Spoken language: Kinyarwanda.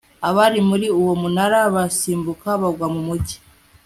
abari muri uwo munara, basimbuka bagwa mu mugi